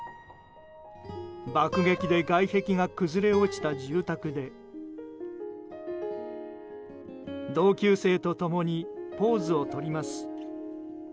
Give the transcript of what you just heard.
爆撃で外壁が崩れ落ちた住宅で同級生と共にポーズをとります。